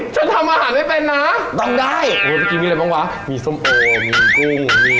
ทำอาหารไม่เป็นนะต้องได้โอ้เมื่อกี้มีอะไรบ้างวะมีส้มโอมีกุ้ง